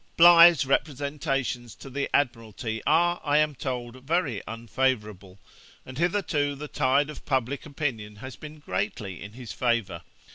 Bligh's representations to the Admiralty are, I am told, very unfavourable, and hitherto the tide of public opinion has been greatly in his favour.